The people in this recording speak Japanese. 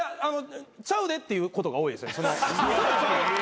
ちゃうでっていうことが多いです。